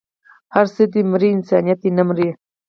هر څه دې مري انسانيت دې نه مري